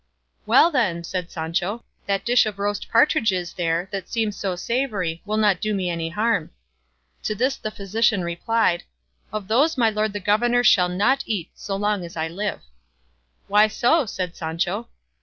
"Well then," said Sancho, "that dish of roast partridges there that seems so savoury will not do me any harm." To this the physician replied, "Of those my lord the governor shall not eat so long as I live." "Why so?" said Sancho.